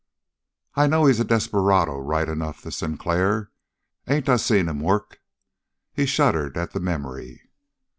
"I know; he's a desperado, right enough, this Sinclair. Ain't I seen him work?" He shuddered at the memory.